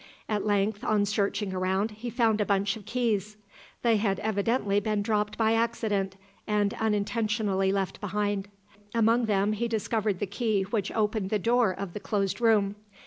At length, on searching around, he found a bunch of keys. They had evidently been dropped by accident, and unintentionally left behind. Among them he discovered the key which opened the door of the closed room.